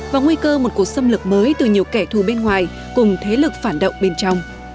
và nguy cơ một cuộc xâm lược mới từ nhiều kẻ thù bên ngoài cùng thế lực phản động bên trong